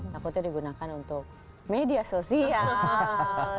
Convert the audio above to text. takutnya digunakan untuk media sosial